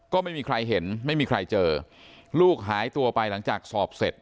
ก็ไม่มีใครเห็นไม่มีใครเจอลูกหายตัวไปหลังจากสอบเสร็จ